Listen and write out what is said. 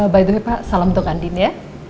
by the way pak salam untuk andin ya